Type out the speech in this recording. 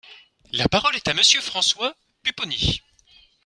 La parole est à Monsieur François Pupponi.